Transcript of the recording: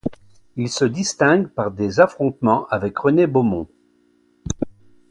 Il se distingue par des affrontements avec René Beaumont.